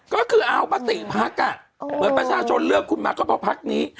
ก็คือเอาปติภักดิ์อ่ะเหมือนประชาชนเลือกคุณมาก็พอภักดิ์นี้